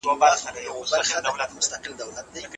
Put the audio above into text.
زده کړه د پرمختیایی هیوادونو په کلتور کې مهمه برخه ده.